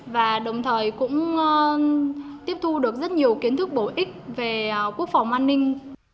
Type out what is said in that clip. và đồng thời cũng tiếp thu được rất nhiều kiến thức bổ ích về quốc phòng an ninh